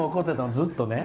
ずっとね。